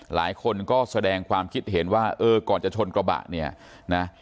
หลายคนก็แสดงความคิดเห็นว่าเออก่อนจะชนกระบะเนี่ยนะ